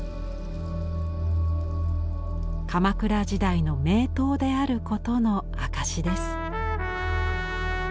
鎌倉時代の名刀であることの証しです。